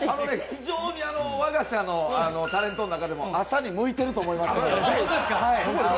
非常に我が社のタレントの中でも朝に向いていると思いますので。